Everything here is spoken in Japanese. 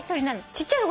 ちっちゃいの？